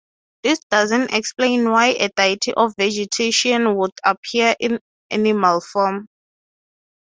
This doesn't explain why a deity of vegetation would appear in animal form.